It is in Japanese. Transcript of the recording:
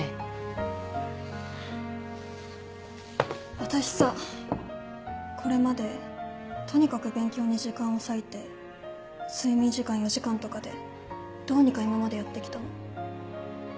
私さこれまでとにかく勉強に時間を割いて睡眠時間４時間とかでどうにか今までやってきたの。